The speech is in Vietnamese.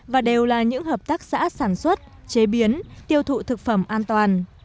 và đều là những hợp tác xã sản xuất chế biến tiêu thụ thực phẩm an toàn